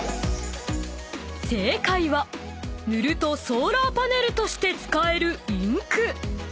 ［正解は塗るとソーラーパネルとして使えるインク］